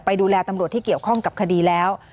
ดูแลตำรวจที่เกี่ยวข้องกับคดีแล้ว